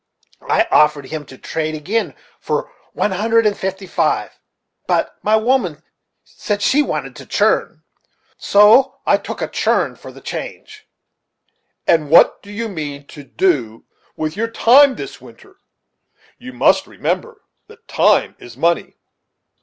I offered him to trade back agin for one hundred and fifty five. But my woman said she wanted to churn, so I tuck a churn for the change." "And what do you mean to do with your time this winter? You must remember that time is money."